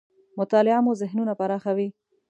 مطالعه مو ذهنونه پراخوي .